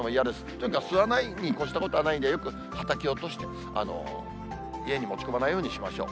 とにかく吸わないに越したことはないんで、よくはたき落として、家に持ち込まないようにしましょう。